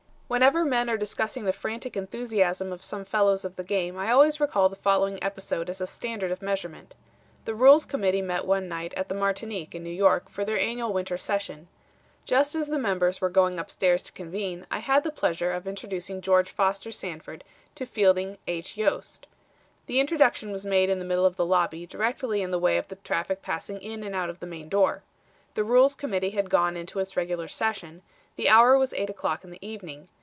"Whenever men are discussing the frantic enthusiasm of some fellows of the game I always recall the following episode as a standard of measurement. The Rules Committee met one night at the Martinique in New York for their annual winter session. Just as the members were going upstairs to convene, I had the pleasure of introducing George Foster Sanford to Fielding H. Yost. The introduction was made in the middle of the lobby directly in the way of the traffic passing in and out of the main door. The Rules Committee had gone into its regular session; the hour was eight o'clock in the evening.